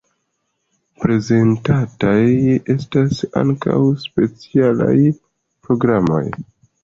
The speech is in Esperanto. Prezentataj estas ankaŭ specialaj programoj.